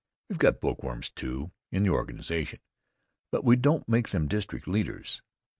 We've got bookworms, too, in the organization. But we don't make them district leaders.